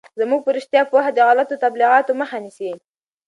زموږ په رشتیا پوهه د غلطو تبلیغاتو مخه نیسي.